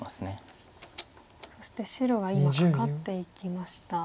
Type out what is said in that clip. そして白は今カカっていきました。